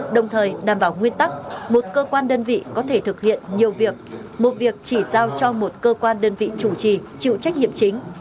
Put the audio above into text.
đồng thời đảm bảo nguyên tắc một cơ quan đơn vị có thể thực hiện nhiều việc một việc chỉ giao cho một cơ quan đơn vị chủ trì chịu trách nhiệm chính